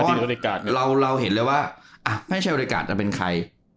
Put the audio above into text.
เราเห็นเลยว่าอ่ะไม่ใช่บริการจะเป็นใคร